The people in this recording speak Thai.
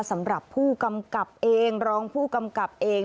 สำหรับผู้กำกับเองรองผู้กำกับเอง